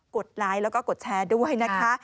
ดไลค์แล้วก็กดแชร์ด้วยนะคะ